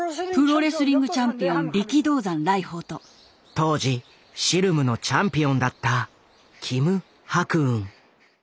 当時シルムのチャンピオンだったキム・ハクウン。